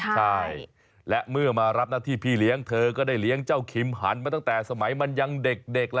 ใช่และเมื่อมารับหน้าที่พี่เลี้ยงเธอก็ได้เลี้ยงเจ้าคิมหันมาตั้งแต่สมัยมันยังเด็ก